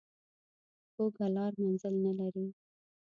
کوږه لار منزل نه لري